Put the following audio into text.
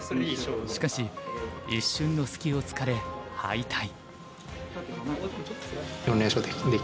しかし一瞬の隙をつかれ敗退。